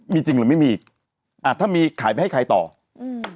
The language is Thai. มีจริงหรือไม่มีอีกอ่าถ้ามีขายไปให้ใครต่ออืม